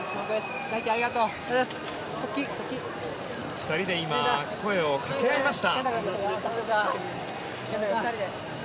２人で声をかけ合いました。